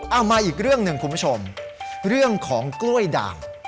มาอีกเรื่องหนึ่งคุณผู้ชมเรื่องของกล้วยด่าง